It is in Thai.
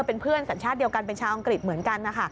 เป็นเพื่อนสัญชาติเดียวกันเป็นชาวอังกฤษเหมือนกันนะคะ